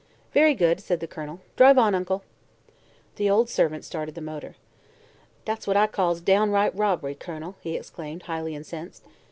"Very good," said the Colonel. "Drive on, Uncle." The old servant started the motor. "Dat's what I calls downright robbery, Kun'l," he exclaimed, highly incensed.